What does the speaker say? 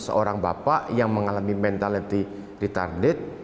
seorang bapak yang mengalami mentality retarded